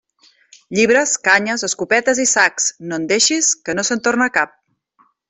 Llibres, canyes, escopetes i sacs, no en deixis, que no se'n torna cap.